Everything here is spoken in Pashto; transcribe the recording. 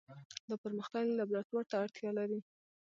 دا پرمختللي لابراتوار ته اړتیا لري.